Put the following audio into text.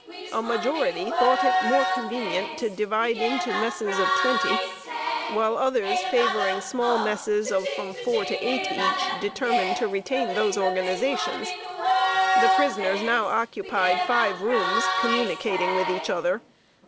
A majority thought it more convenient to divide into messes of twenty, while others, favoring small messes of from four to eight each, determined to retain those organizations. The prisoners now occupied five rooms, communicating with each other.